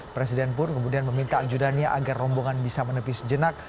presiden pun kemudian meminta ajudannya agar rombongan bisa menepis jenak